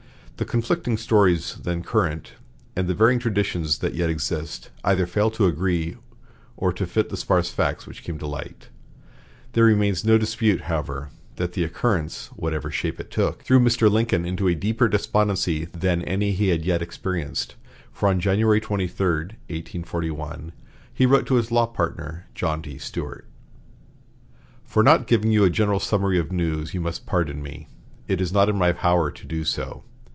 The conflicting stories then current, and the varying traditions that yet exist, either fail to agree or to fit the sparse facts which came to light. There remains no dispute, however, that the occurrence, whatever shape it took, threw Mr. Lincoln into a deeper despondency than any he had yet experienced, for on January 23, 1841, he wrote to his law partner, John T. Stuart: "For not giving you a general summary of news you must pardon me; it is not in my power to do so.